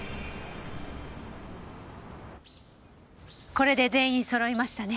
これで全員揃いましたね。